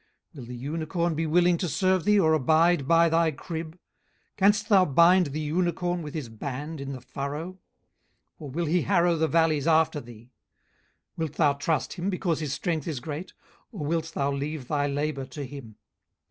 18:039:009 Will the unicorn be willing to serve thee, or abide by thy crib? 18:039:010 Canst thou bind the unicorn with his band in the furrow? or will he harrow the valleys after thee? 18:039:011 Wilt thou trust him, because his strength is great? or wilt thou leave thy labour to him?